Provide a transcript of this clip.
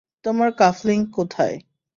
তোমার কাফলিংক কোথায়?